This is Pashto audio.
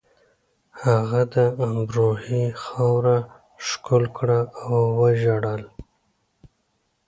هغه د امروهې خاوره ښکل کړه او وژړل